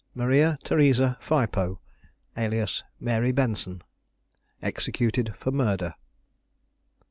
MARIA THERESA PHIPOE, alias MARY BENSON EXECUTED FOR MURDER.